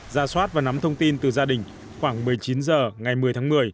ra soát và nắm thông tin từ gia đình khoảng một mươi chín h ngày một mươi tháng một mươi